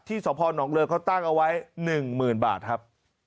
สพนเรือเขาตั้งเอาไว้๑๐๐๐บาทครับ